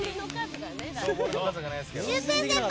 シュウペイ先輩